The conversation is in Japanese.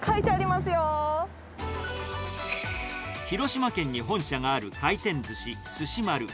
広島県に本社がある回転寿司、すし丸。